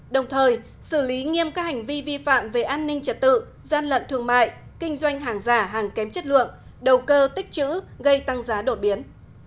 đồng thời xử lý nghiêm các hành vi vi phạm về an ninh trật tự gian lận thương mại kinh doanh hàng giả hàng kém chất lượng đầu cơ tích chữ gây tăng giá đột biến